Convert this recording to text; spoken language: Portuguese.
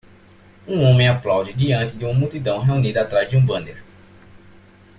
Um homem aplaude diante de uma multidão reunida atrás de um banner.